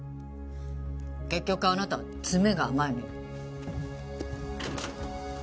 結局あなたは詰めが甘いのよ。